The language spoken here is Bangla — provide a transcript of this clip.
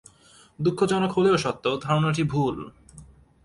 দুঃখজনক হলেও সত্য, ধারণাটি ভুল।